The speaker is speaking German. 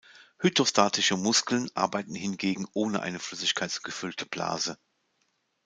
Hydrostatische Muskeln arbeiten hingegen ohne eine flüssigkeitsgefüllte Blase.